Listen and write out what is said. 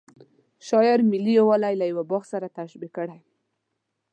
شاعر ملي یوالی له یوه باغ سره تشبه کړی.